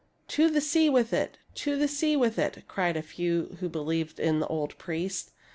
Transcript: " To the sea with it ! To the sea with it !" cried a few who believed in the old priest.